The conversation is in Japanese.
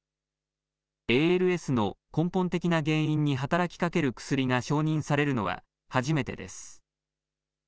ＡＬＳの根本的な原因に働きかける薬が承認されるのは初めてです。